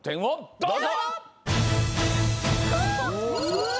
どうぞ！